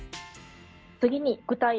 次に具体例